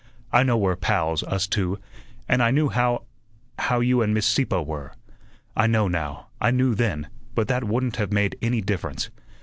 I know we're pals, us two, and I knew how how you and Miss Sieppe were. I know now, I knew then; but that wouldn't have made any difference.